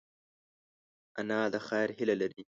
انا د خیر هیله لري